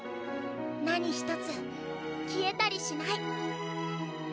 何一つ消えたりしない。